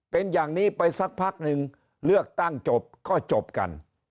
เป็นอย่างนี้ไปสักพักหนึ่งเลือกตั้งจบก็จบกัน